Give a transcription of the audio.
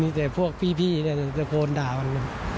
มีแต่พวกพี่ตะโกนด่ามัน